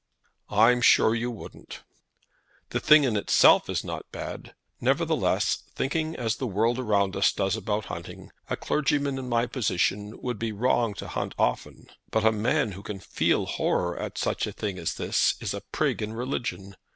"I'm sure you wouldn't." "The thing in itself is not bad. Nevertheless, thinking as the world around us does about hunting, a clergyman in my position would be wrong to hunt often. But a man who can feel horror at such a thing as this is a prig in religion.